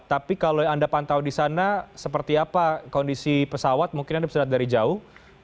tapi kalau anda pantau di sana seperti apa kondisi pesawat mungkin anda bisa lihat dari jauh